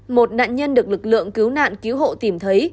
một nạn nhân được lực lượng cứu nạn cứu hộ tìm thấy